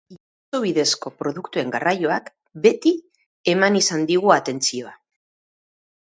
Itsaso bidezko produktuen garraioak beti eman izan digu atentzioa.